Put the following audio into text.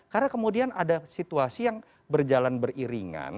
karena kemudian ada situasi yang berjalan beriringan